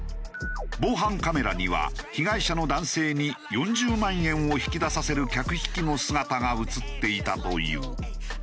防犯カメラには被害者の男性に４０万円を引き出させる客引きの姿が映っていたという。